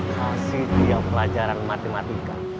kasih dia pelajaran matematika